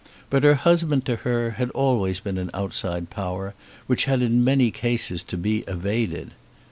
But her husband to her had always been an outside power which had in many cases to be evaded.